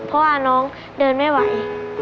เพราะว่าน้องเดินไม่ไหว